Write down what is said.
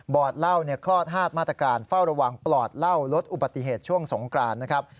เหล้าคลอด๕มาตรการเฝ้าระวังปลอดเหล้าลดอุบัติเหตุช่วงสงกรานนะครับ